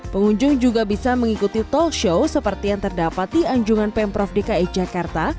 pengunjung juga bisa mengikuti talk show seperti yang terdapat di anjungan pemprov dki jakarta